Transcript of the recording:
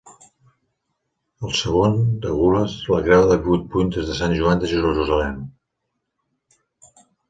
Al segon, de gules, la creu de vuit puntes de Sant Joan de Jerusalem.